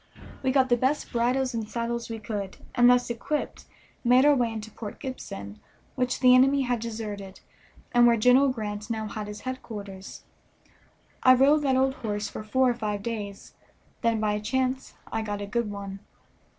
We got the best bridles and saddles we could, and thus equipped made our way into Port Gibson, which the enemy had deserted and where General Grant now had his headquarters. I rode that old horse for four or five days, then by a chance I got a good one.